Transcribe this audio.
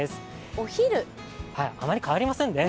お昼、あまり代わりませんね